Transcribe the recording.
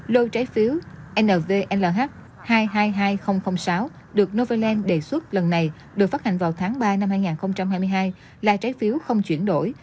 lô trái phiếu nv hai trăm hai mươi hai nghìn sáu được novaland đề xuất lần này được phát hành vào tháng ba năm hai nghìn hai mươi hai là trái phiếu không chuyển đổi